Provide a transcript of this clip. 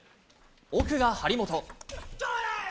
奥が張本。